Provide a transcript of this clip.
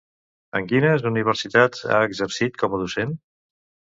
En quines universitats ha exercit com a docent?